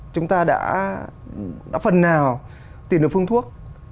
chúng ta đã phần nào tìm được phương thuốc